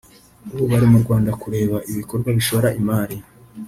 ubu bari mu Rwanda kureba ibikorwa bashoramo imari